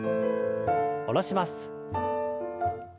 下ろします。